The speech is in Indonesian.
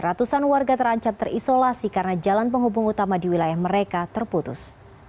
ratusan warga terancam terisolasi karena jalan penghubung utama di wilayah mereka terputus